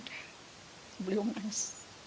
ibu saya berkata beliau menangis